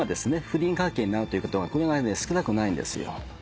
不倫関係になるということが少なくないんですよ。